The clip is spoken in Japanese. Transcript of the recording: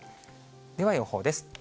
では、予報です。